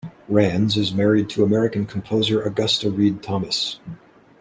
Rands is married to American composer Augusta Read Thomas.